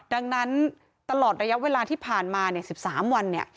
ดังนั้นตลอดระยะเวลาที่ผ่านมา๑๓วัน